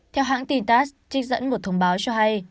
theo hãng tin tass trích dẫn một thông báo cho hay